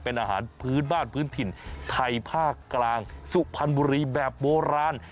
เป็นอาหารพื้นบ้านพื้นถิ่นไทยภาคกลางสุพรรณบุรีแบบโบราณ